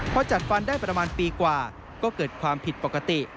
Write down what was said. พอจัดฟันได้ประมาณปีกว่าก็เกิดความผิดปกติ